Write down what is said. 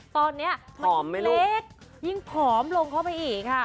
ตอนนี้มันเล็กยิ่งผอมลงเข้าไปอีกค่ะ